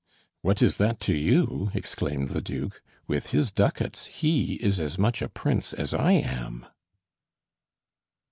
"What is that to you?" exclaimed the duke. "With his ducats he is as much a prince as I am!"